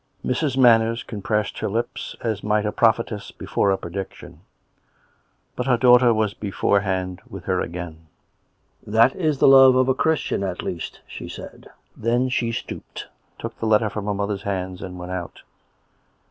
Mrs. Manners compressed her lips, as might a proph etess before a prediction. But her daughter was before hand with her again. " That is the love of a Christian, at least," srhe said. Then she stooped, took the letter from her mother's knees, and went out. Mrs.